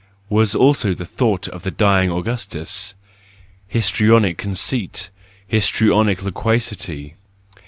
was also the thought of the dying Augustus: histrionic conceit! histrionic loquacity!